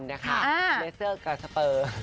เลเซอร์กับสเปอร์